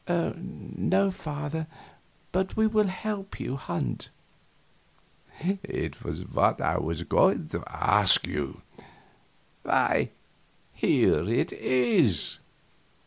"No, Father, but we will help you hunt." "It is what I was going to ask you. Why, here it is!"